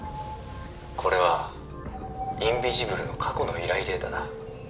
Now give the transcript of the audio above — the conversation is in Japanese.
これはインビジブルの過去の依頼データだ